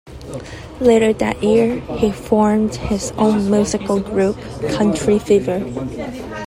Later that year, he formed his own musical group, Country Fever.